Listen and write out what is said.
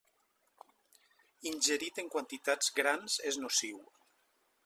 Ingerit en quantitats grans és nociu.